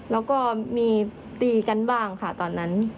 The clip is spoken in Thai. แล้วก็มีตีกันบ้างค่ะตอนนั้น